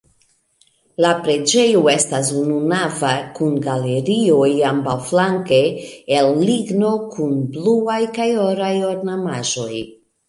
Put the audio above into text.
La preĝejo estas ununava kun galerioj ambaŭflanke el ligno kun bluaj kaj oraj ornamaĵoj.